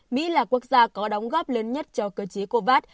mỹ là quốc gia có đóng góp lớn nhất cho cơ chế covax